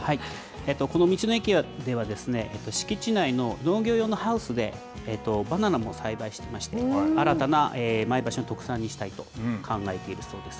この道の駅では、敷地内の農業用のハウスでバナナも栽培していまして、新たな前橋の特産にしたいと考えていているそうです。